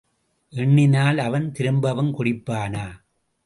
எண்ணினால், அவன் திரும்பவுங் குடிப்பானா?